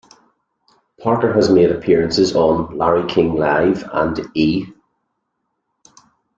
Parker has made appearances on "Larry King Live" and E!